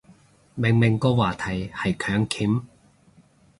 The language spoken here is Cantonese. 明明個話題係強檢